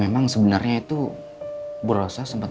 emang apa yang namanya bekerja pak